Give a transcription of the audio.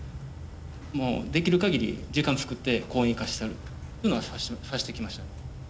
もう、できるかぎり時間を作って、公園行かせたりというのは、させてきました。